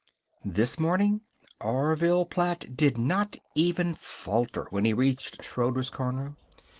This morning Orville Platt did not even falter when he reached Schroeder's corner.